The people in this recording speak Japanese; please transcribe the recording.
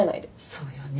そうよね。